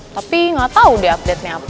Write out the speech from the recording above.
tapi nggak tau deh update nya apa